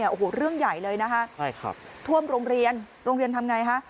โอ้โหเรื่องใหญ่เลยนะคะท่วมโรงเรียนโรงเรียนทำอย่างไรคะ